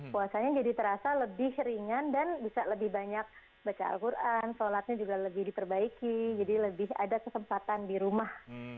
puasanya jadi terasa lebih ringan dan bisa lebih banyak baca al quran sholatnya juga lebih diperbaiki jadi lebih ada kesempatan di rumah